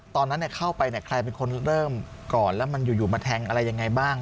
ตอนนั้นเข้าไปใครเป็นคนเริ่มก่อนแล้วมันอยู่มาแทงอะไรยังไงบ้าง